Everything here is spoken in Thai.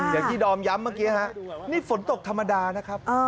อย่างที่ดอมย้ำเมื่อกี้ฮะนี่ฝนตกธรรมดานะครับ